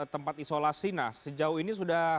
tempat isolasi nah sejauh ini sudah